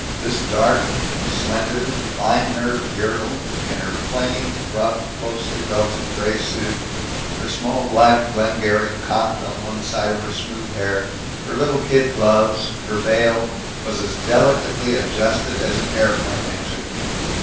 This dark, slender, fine nerved girl, in her plain, rough, closely belted, gray suit, her small black Glengarry cocked on one side of her smooth hair, her little kid gloves, her veil, was as delicately adjusted as an aeroplane engine.